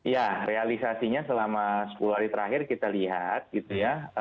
ya realisasinya selama sepuluh hari terakhir kita lihat gitu ya